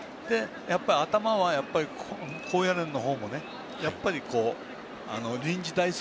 頭は高野連の方も臨時代走。